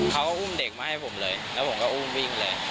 เขาก็อุ้มเด็กมาให้ผมเลยแล้วผมก็อุ้มวิ่งเลย